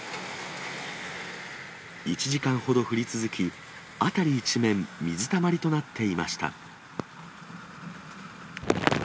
１時間ほど降り続き、辺り一面、水たまりとなっていました。